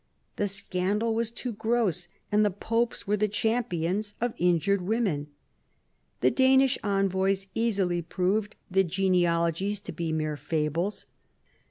The scandal was too gross ; and the popes were the champions of injured women. The Danish envoys easily proved the genea 164 PHILIP AUGUSTUS chap. logies to be mere fables.